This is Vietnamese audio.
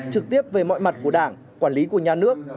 trực tiếp về mọi mặt của đảng quản lý của nhà nước